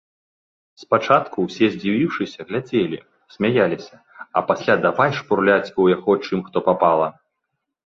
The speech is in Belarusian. Спачатку ўсе здзівіўшыся глядзелі, смяяліся, а пасля давай шпурляць у яго чым хто папала.